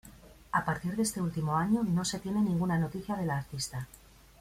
A partir de este último año, no se tiene ninguna noticia de la artista.